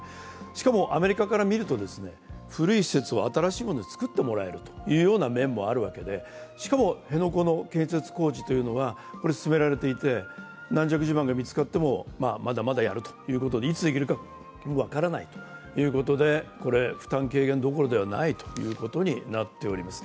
しかも、アメリカから見ると、古い施設を新しいものに造ってもらえるという面もあるわけで、しかも、辺野古の建設工事は進められていて軟弱地盤が見つかってもまだまだやるということでいつできるか分からないということで、これ、負担軽減どころではないということになっております。